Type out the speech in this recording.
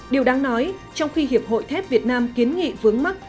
điều đáng nói trong khi hiệp hội thép việt nam kiến nghị vướng mắt